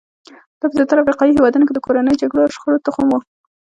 دا په زیاترو افریقایي هېوادونو کې د کورنیو جګړو او شخړو تخم وو.